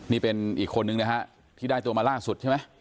นี่เป็นอีกคนนึงนะฮะที่ได้ตัวมาล่าสุดใช่ไหม